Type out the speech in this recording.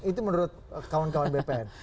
itu menurut kawan kawan bpn